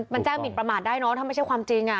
มันแจ้งหมินประมาทได้เนอะถ้าไม่ใช่ความจริง